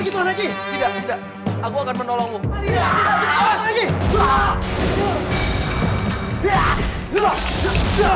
tuhan aji aji jangan pergi tuhan aji